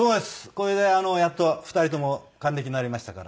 これでやっと２人とも還暦になりましたから。